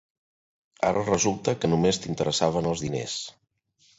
Ara resulta que només t'interessaven els diners.